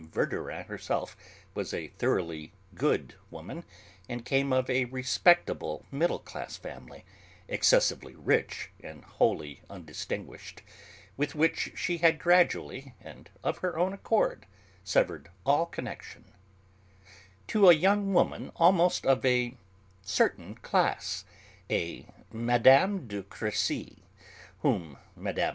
Verdurin herself was a thoroughly 'good' woman, and came of a respectable middle class family, excessively rich and wholly undistinguished, with which she had gradually and of her own accord severed all connection) to a young woman almost of a 'certain class,' a Mme. de Crécy, whom Mme.